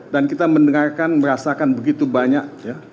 dan kita mendengarkan merasakan begitu banyak